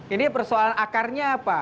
ini persoalan akarnya apa